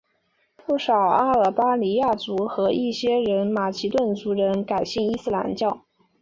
不少阿尔巴尼亚族人和一些马其顿族人改信伊斯兰教。